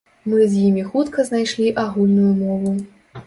Мы з імі хутка знайшлі агульную мову.